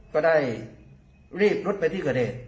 ก็ได้รีบรุดไปที่เกาะเดช